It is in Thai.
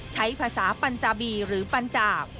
ใช้ภาษาปัญจาบีหรือปัญจาบ